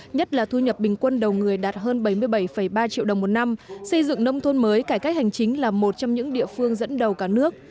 nhất là thu nhập bình quân đầu người đạt hơn bảy mươi bảy ba triệu đồng một năm xây dựng nông thôn mới cải cách hành chính là một trong những địa phương dẫn đầu cả nước